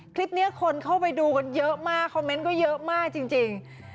คลิปนี้คนเข้าไปดูกันเยอะมากคอมเมนต์ก็เยอะมากจริง